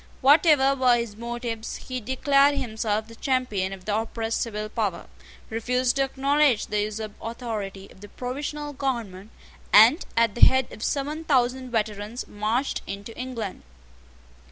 Whatever were his motives, he declared himself the champion of the oppressed civil power, refused to acknowledge the usurped authority of the provisional government, and, at the head of seven thousand veterans, marched into England.